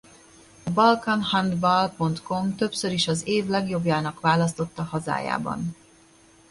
A balkan-handball.com többször is az év legjobbjának választotta hazájában.